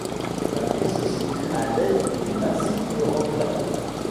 La ville se situe à l'est du massif de Randa.